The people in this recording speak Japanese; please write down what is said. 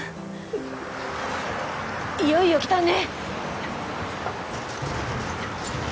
いよいよ来たね。